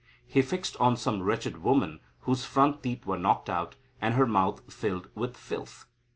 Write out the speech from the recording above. He fixed on some wretched woman, whose front teeth were knocked out, and her mouth filled with filth.